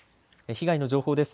被害の情報です。